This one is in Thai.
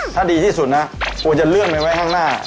ถ้าดีที่สุดนะควรจะเลื่อนไปไว้ข้างหน้า